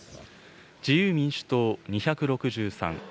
自由民主党２６３。